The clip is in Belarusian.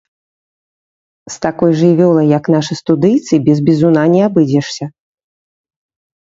З такой жывёлай, як нашы студыйцы, без бізуна не абыдзешся.